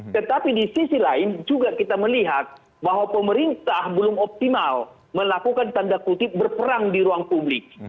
tetapi di sisi lain juga kita melihat bahwa pemerintah belum optimal melakukan tanda kutip berperang di ruang publik